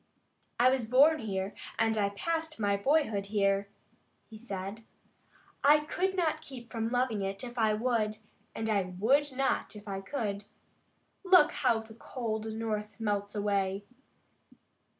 "I was born here, and I passed my boyhood here," he said. "I could not keep from loving it if I would, and I would not if I could. Look how the cold North melts away.